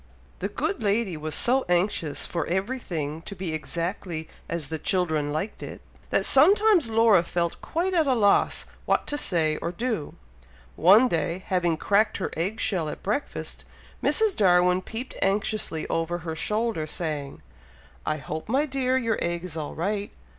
The good lady was so anxious for everything to be exactly as the children liked it, that sometimes Laura felt quite at a loss what to say or do. One day, having cracked her egg shell at breakfast, Mrs. Darwin peeped anxiously over her shoulder, saying, "I hope, my dear! your egg is all right?"